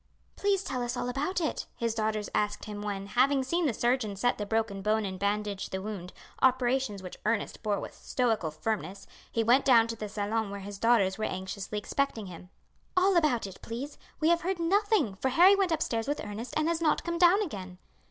"Please tell us all about it," his daughters asked him when, having seen the surgeon set the broken bone and bandage the wound, operations which Ernest bore with stoical firmness, he went down to the salon where his daughters were anxiously expecting him. "All about it, please. We have heard nothing, for Harry went upstairs with Ernest, and has not come down again."